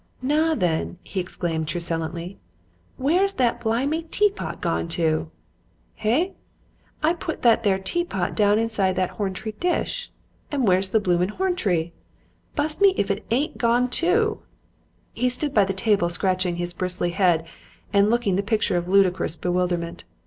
"'Naa, then!' he exclaimed truculently, 'where's that blimy teapot gone to? Hay? I put that there teapot down inside that there hontry dish and where's the bloomin' hontry? Bust me if that ain't gone to!' "He stood by the table scratching his bristly head and looking the picture of ludicrous bewilderment.